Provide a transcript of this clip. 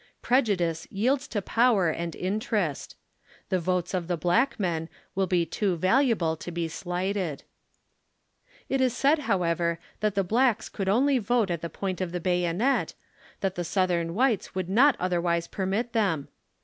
Prejudice yields to power and interest. The votes of the black men will be too valuable to be slighted. It is said, however, that the blacks could only vote at the point of the bayonet, that the Southern whites would not otherwise permit them.